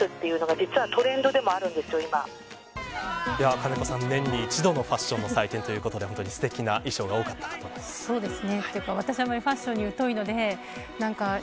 金子さん、年に一度のファッションの祭典ということですてきな衣装が多かったと思います。